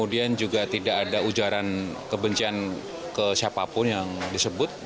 dan juga tidak ada ujaran kebencian ke siapapun yang disebut